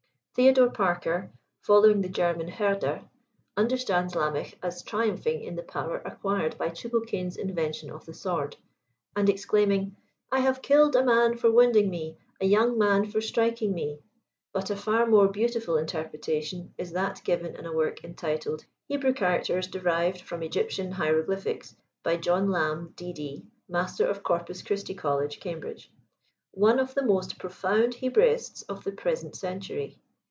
Theodore Parker, following the Ger man Herder, understands Lamech as triumphing in the power acquired by Tubal Cain 's invention of the sword ; and exclaiming, " I have killed a man ibr wounding me, a young man for striking me." But a far more beautiful interpretation, is that given in a work entitled, " Hebrew Characters derived from Egyptian Hieroglyphics ; by John Lamb, D.D., master of Corpus Christi College, Cambridge;" one of the most pro found Hebraists of the present century.